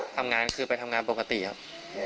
ทำงานคือไปทำงานปกติครับ